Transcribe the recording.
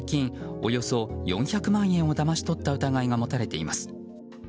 およそ４００万円をだまし取った疑いが持たれています。